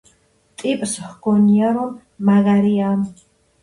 ტიპს ჰგონია რომ მაგარია